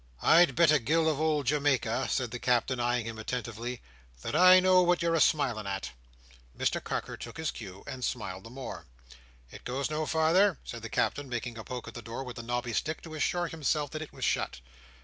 "I'd bet a gill of old Jamaica," said the Captain, eyeing him attentively, "that I know what you're a smiling at." Mr Carker took his cue, and smiled the more. "It goes no farther?" said the Captain, making a poke at the door with the knobby stick to assure himself that it was shut.